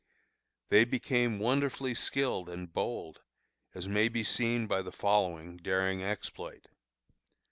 They became wonderfully skilled and bold, as may be seen by the following daring exploit.